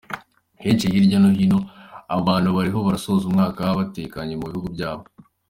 Henshi hirya no hino abantu bariho barasoza umwaka batekanye mu bihugu byabo.